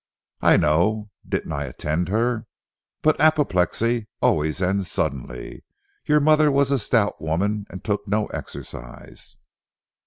"I know. Didn't I attend her! But apoplexy always ends suddenly. Your mother was a stout woman and took no exercise.